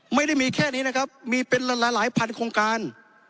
ไม่ได้มีแค่นี้นะครับมีเป็นหลายพันโครงการ